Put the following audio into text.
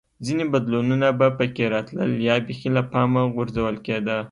ځیني بدلونونه به په کې راتلل یا بېخي له پامه غورځول کېده